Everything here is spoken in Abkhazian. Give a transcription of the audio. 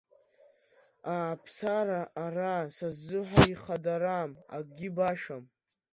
Ааԥсарам ара са сзыҳәа, ихыдарам, акгьы башам.